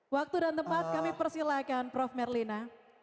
waktu dan tempat kami persilahkan prof merlina